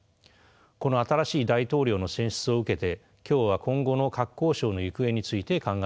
この新しい大統領の選出を受けて今日は今後の核交渉の行方について考えてみます。